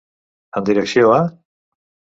En direcció a.